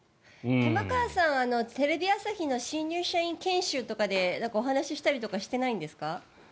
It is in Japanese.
玉川さんはテレビ朝日の新人社員研修とかでお話をしたりとかしてないんですか？